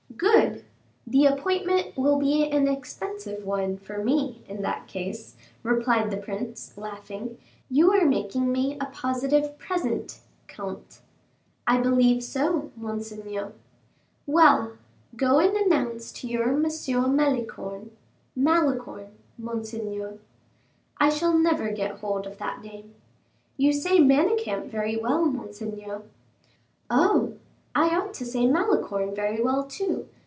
"Good! the appointment will be an expensive one for me, in that case," replied the prince, laughing. "You are making me a positive present, comte." "I believe so, monseigneur." "Well, go and announce to your M. Melicorne " "Malicorne, monseigneur." "I shall never get hold of that name." "You say Manicamp very well, monseigneur." "Oh, I ought to say Malicorne very well, too.